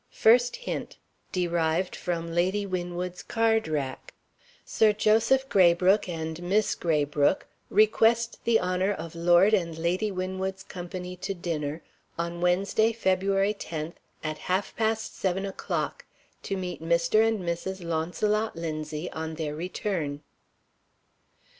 First Hint. (Derived from Lady Winwood's Card Rack.) "Sir Joseph Graybrooke and Miss Graybrooke request the honor of Lord and Lady Winwood's company to dinner, on Wednesday, February 10, at half past seven o'clock. To meet Mr. and Mrs. Launcelot Linzie on their return."